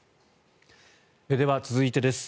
では、続いてです。